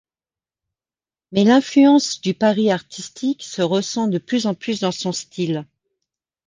Mais l'influence du Paris artistique se ressent de plus en plus dans son style.